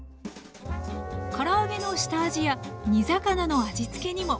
から揚げの下味や煮魚の味付けにも。